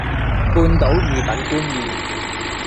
半島御品官燕